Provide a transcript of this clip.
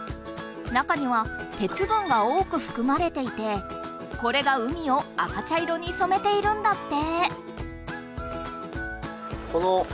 中には「鉄分」が多くふくまれていてこれが海を赤茶色にそめているんだって。